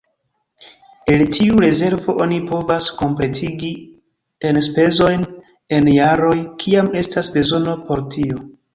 El tiu rezervo oni povas kompletigi enspezojn en jaroj, kiam estas bezono por tio.